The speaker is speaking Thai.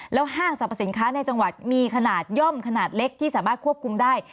ห้างสรรพสินค้าในจังหวัดมีขนาดย่อมขนาดเล็กที่สามารถควบคุมได้